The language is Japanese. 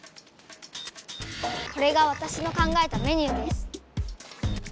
これがわたしの考えたメニューです。